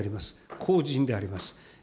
公人であります。